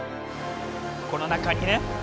この中にね。